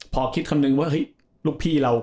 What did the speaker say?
พอคิดคำนึงว่าเฮ้ยลูกพี่เรา